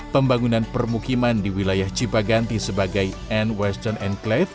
pembangunan permukiman di wilayah cipaganti sebagai n western enclave